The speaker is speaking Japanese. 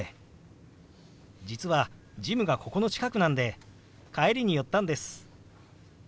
実はジムがここの近くなんで帰りに寄ったんです。